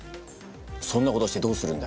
そんなことしてどうするんだ？